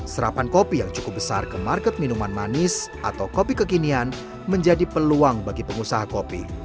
serapan kopi yang cukup besar ke market minuman manis atau kopi kekinian menjadi peluang bagi pengusaha kopi